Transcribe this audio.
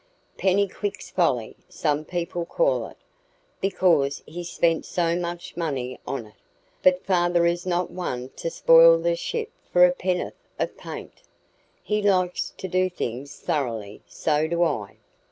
'Pennycuick's Folly' some people call it, because he spent so much money on it; but father is not one to spoil the ship for a pen'orth of paint. He likes to do things thoroughly. So do I."